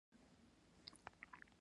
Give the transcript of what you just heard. لوگر د افغانانو د معیشت سرچینه ده.